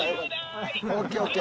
ＯＫＯＫ。